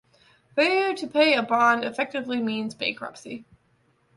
Failure to pay a bond effectively means bankruptcy.